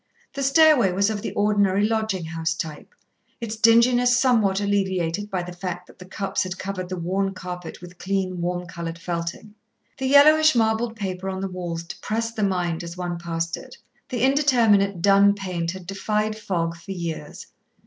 The stairway was of the ordinary lodging house type, its dinginess somewhat alleviated by the fact that the Cupps had covered the worn carpet with clean warm coloured felting. The yellowish marbled paper on the walls depressed the mind as one passed it; the indeterminate dun paint had defied fog for years.